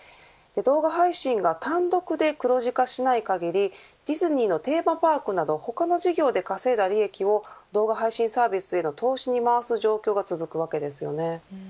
動画配信が単独で黒字化しない限りディズニーのテーマパークなど他の事業で稼いだ利益を動画配信サービスへの投資に回す状況が続くわけですよね。